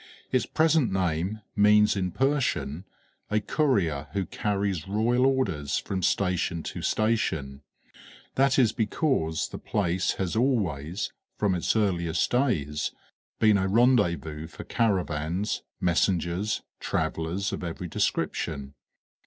Its present name means in Persian a courier who carries royal orders from station to station; that is because the place has always, from its earliest days, been a rendezvous for caravans, messengers, travelers of every description.